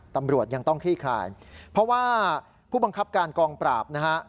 ตำรวจยังต้องขี้คลายเพราะว่าผู้บังคับการกองปราบนะฮะ